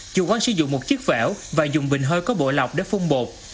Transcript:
chủ quán sử dụng một chiếc phẻo và dùng bình hơi có bộ lọc để phun bột